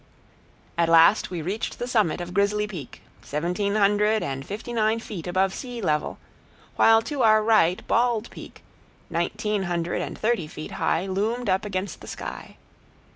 At last we reached the summit of Grizzly Peak, seventeen hundred and fifty nine feet above sea level, while to our right Bald Peak, nineteen hundred and thirty feet high, loomed up against the sky.